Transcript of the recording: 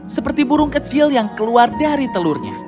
seperti burung kecil yang keluar dari telurnya